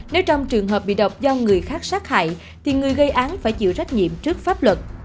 nếu trong trường hợp bị độc do người khác sát hại thì người gây án phải chịu trách nhiệm trước pháp luật